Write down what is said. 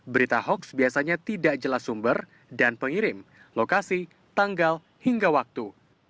berita hoax biasanya tidak jelas sumber dan pengirim lokasi tanggal hingga waktu